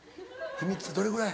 秘密どれぐらい？